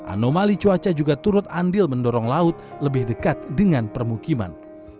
anomali cuaca juga turut andil mendorong laut lebih dekat dengan permukiman